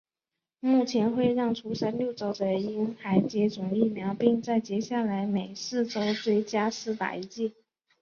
目前会让出生六周的婴孩接种疫苗并在接下来每四周追加施打一剂。